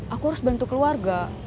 aku harus bantu keluarga